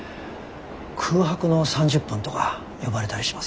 「空白の３０分」とか呼ばれたりしますが。